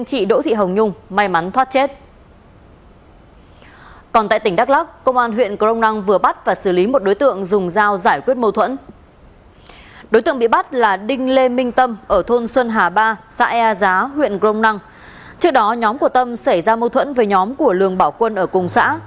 trước đó nhóm của tâm xảy ra mâu thuẫn với nhóm của lường bảo quân ở cùng xã